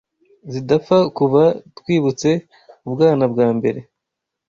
zidapfa kuva twibutse Ubwana Bwambere'